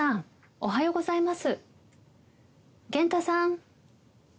「おはようございます」